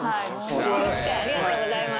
ありがとうございます。